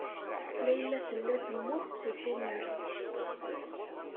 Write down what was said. Layla tella temmut seg tumert.